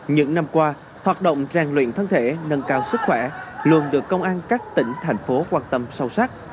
những năm qua hoạt động rèn luyện thân thể nâng cao sức khỏe luôn được công an các tỉnh thành phố quan tâm sâu sắc